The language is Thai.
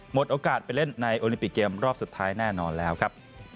โอกาสไปเล่นในโอลิมปิกเกมรอบสุดท้ายแน่นอนแล้วครับ